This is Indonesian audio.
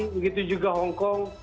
begitu juga hongkong